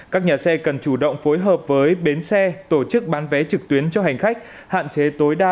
các nhà xe cần chủ động phối hợp với bến xe tổ chức bán vé trực tuyến cho hành khách hạn chế tối đa